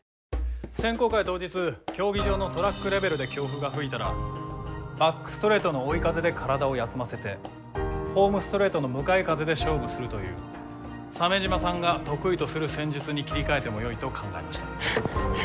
選考会当日競技場のトラックレベルで強風が吹いたらバックストレートの追い風で体を休ませてホームストレートの向かい風で勝負するという鮫島さんが得意とする戦術に切り替えてもよいと考えました。